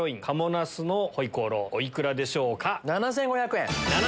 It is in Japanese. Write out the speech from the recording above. お幾らでしょうか？